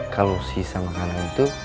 kalau sisa makanan itu